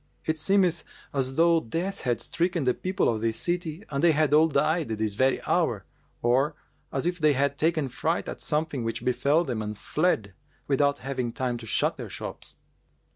It seemeth as though Death had stricken the people of this city and they had all died this very hour, or as if they had taken fright at something which befel them and fled, without having time to shut their shops.'